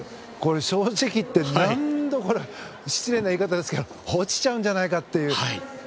正直言って失礼な言い方ですけど落ちちゃうんじゃないかという。